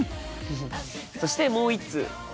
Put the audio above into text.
フフッそしてもう一通。